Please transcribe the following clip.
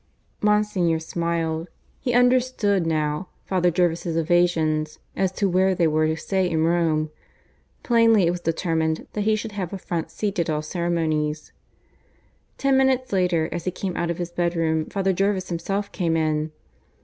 Monsignor smiled. He understood now Father Jervis' evasions as to where they were to stay in Rome. Plainly it was determined that he should have a front seat at all ceremonies. Ten minutes later, as he came out of his bedroom, Father Jervis himself came in.